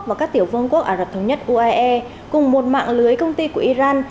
và các tiểu vương quốc ả rập thống nhất uae cùng một mạng lưới công ty của iran